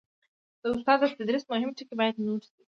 د استاد د تدریس مهم ټکي باید نوټ شي.